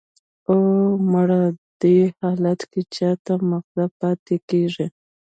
"اوه، مړه! دې حالت کې چا ته ماغزه پاتې کېږي!"